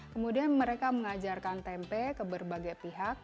kemudian mereka mengajarkan tempe ke berbagai pihak